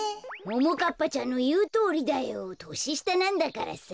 ももかっぱちゃんのいうとおりだよ。とししたなんだからさ。